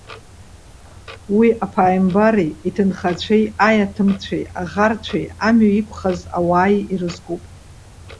Уи, аԥааимбари, иҭынхацәеи, аиаҭымцәеи, аӷарцәеи, амҩа иқәхаз ауааи ирызкуп.